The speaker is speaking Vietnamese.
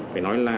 phải nói là